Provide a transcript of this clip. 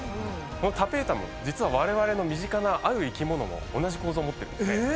このタペータム実はわれわれの身近なある生き物も同じ構造を持ってるんですね。